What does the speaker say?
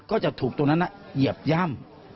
ก็จะถูกตรงนั้นเหยียบย่ำ